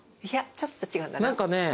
いやちょっと違うかな。